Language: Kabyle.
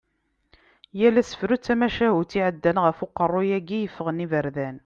Yal asefru d tamacahutt iɛeddan ɣef uqerru-yagi yeffɣen iberdan.